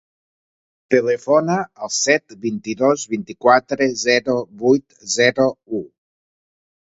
Telefona al set, vint-i-dos, vint-i-quatre, zero, vuit, zero, u.